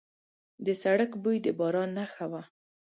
د سړک بوی د باران نښه وه.